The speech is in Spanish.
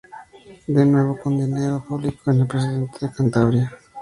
De nuevo, con dinero público, el presidente de Cantabria.